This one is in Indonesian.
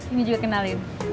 ini juga kenalin